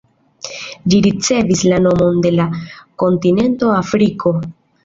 Ĝi ricevis la nomon de la kontinento Afriko.